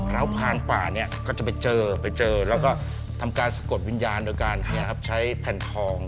แล้วผ่านป่าเนี่ยก็จะไปเจอไปเจอแล้วก็ทำการสะกดวิญญาณโดยการใช้แผ่นทอง